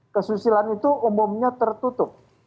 kesusilaan itu umumnya tertutup